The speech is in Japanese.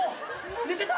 寝てた？